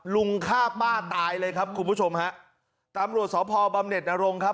ลุงฆ่าป้าตายเลยครับคุณผู้ชมฮะตำรวจสพบำเน็ตนรงครับ